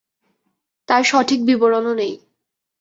তার সঠিক বিবরণও নেই।